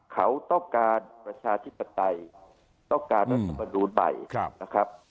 เขาต้องการประชาธิปไตยต้องการรัฐมนูลใหม่นะครับ